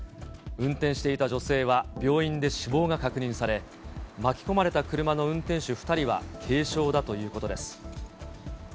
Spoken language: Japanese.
運転していた女性は病院で死亡が確認され、巻き込まれた車の運転手２人は軽傷だということです。